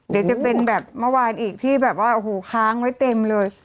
เดี๋ยวจะเป็นแบบเมื่อวานอีกที่แบบว่าโอ้โหค้างไว้เต็มเลย